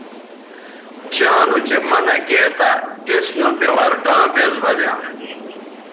چاں نوچہء منع گے تھا تس نوبے ورٹاں بیز بزیاں